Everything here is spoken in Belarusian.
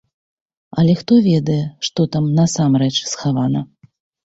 Але хто ведае што там насамрэч схавана?